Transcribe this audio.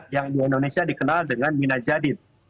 yang di indonesia dikenal dengan mina jadid